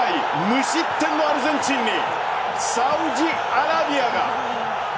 無失点のアルゼンチンにサウジアラビアが。